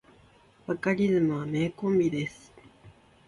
バカリズムはコンビ名です。